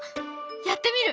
やってみる。